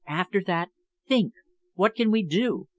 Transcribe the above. "After that, think! What can we do?